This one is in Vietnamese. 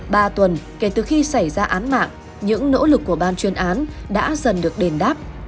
ba tuần kể từ khi xảy ra án mạng những nỗ lực của ban chuyên án đã dần được đền đáp